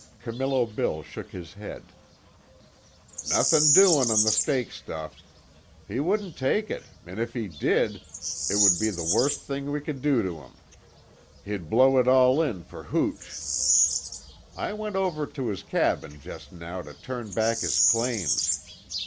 Camillo Bill shook his head: "Nothin' doin' on the stake stuff. He wouldn't take it, an' if he did it would be the worst thing we could do to him. He'd blow it all in fer hooch. I went over to his cabin just now to turn back his claims.